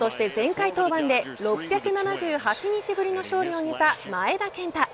そして、前回登板で６７８日ぶりの勝利を挙げた前田健太。